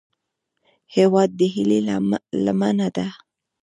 هیواد د هیلې لمنه ده